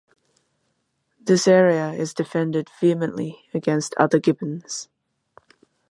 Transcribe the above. This area is defended vehemently against other gibbons.